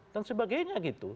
dan sebagainya gitu